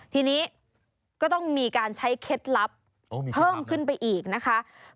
ทีนี้ก็ต้องมีการใช้เคล็ดลับเพิ่มขึ้นไปอีกนะคะ